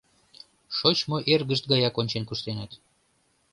Шочмо эргышт гаяк ончен-куштеныт.